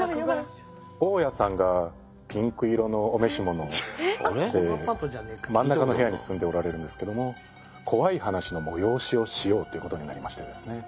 大家さんがピンク色のお召し物で真ん中の部屋に住んでおられるんですけども怖い話の催しをしようということになりましてですね。